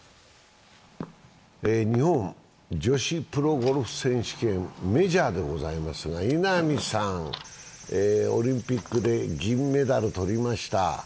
日本女子プロゴルフ選手権、メジャーでございますが稲見さん、オリンピックで銀メダルを取りました。